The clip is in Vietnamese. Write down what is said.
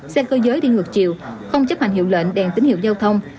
xe cơ giới đi ngược chiều không chấp hành hiệu lệnh đèn tín hiệu giao thông